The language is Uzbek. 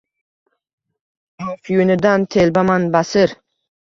Аfyunidan telbaman basir.